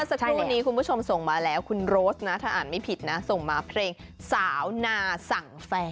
สักครู่นี้คุณผู้ชมส่งมาแล้วคุณโรสนะถ้าอ่านไม่ผิดนะส่งมาเพลงสาวนาสั่งแฟน